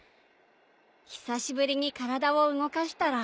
久しぶりに体を動かしたら。